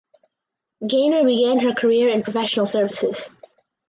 Gaynor began her career in professional services.